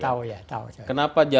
saya tidak tahu ya